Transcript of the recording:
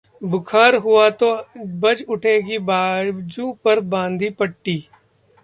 बुखार हुआ तो बज उठेगी बाजू पर बांधी पट्टी